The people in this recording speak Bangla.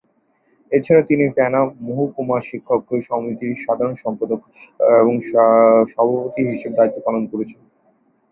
এছাড়া তিনি ফেনী মহকুমা শিক্ষক সমিতির সাধারণ সম্পাদক ও সভাপতি হিসেবে দায়িত্ব পালন করেছেন।